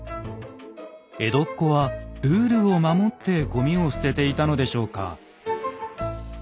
江戸っ子はルールを守ってごみを捨てていたのでしょうか？